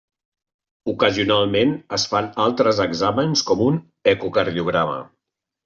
Ocasionalment es fan altres exàmens com un ecocardiograma.